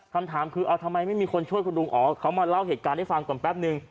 คำถามคือเอาทำไมไม่มีคนช่วยคุณลุงอ๋อเขามาเล่าเหตุการณ์ให้ฟังก่อนแป๊บนึง